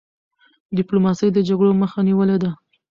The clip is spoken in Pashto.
ډيپلوماسی د جګړو مخه نیولې ده.